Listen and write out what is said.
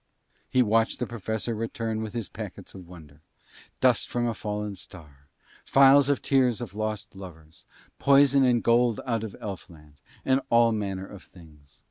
He watched the Professor return with his packets of wonder; dust from a fallen star, phials of tears of lost lovers, poison and gold out of elf land, and all manner of things.